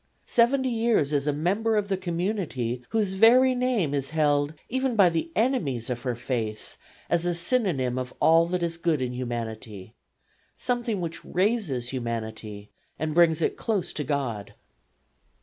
Seventy years a member of the community whose very name is held even by the enemies of her faith as a synonym of all that is good in humanity something which raises humanity and brings it close to God.